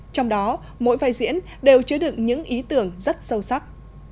trong đó mỗi vai diễn đều chứa được những ý tưởng rất sâu sắc